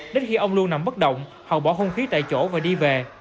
đến khi ông luân nằm bất động hậu bỏ hôn khí tại chỗ và đi về